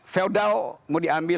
feldao mau diambil